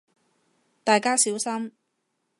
大家小心